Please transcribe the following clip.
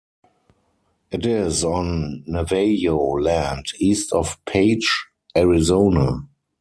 It is on Navajo land east of Page, Arizona.